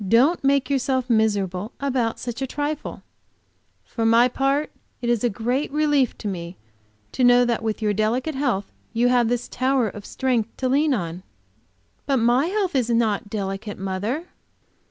"Don't make yourself miserable about such a trifle. For my part, it is a great relief to me to know that with your delicate health you have this tower of strength to lean on." "But my health is not delicate, mother."